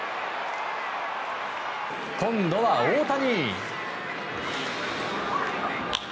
今度は大谷。